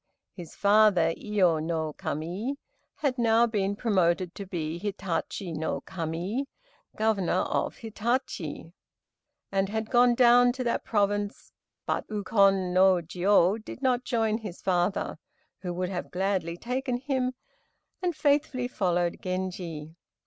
His father, Iyo no Kami, had now been promoted to be Hitachi no Kami (Governor of Hitachi), and had gone down to that province, but Ukon no Jiô did not join his father, who would have gladly taken him, and faithfully followed Genji.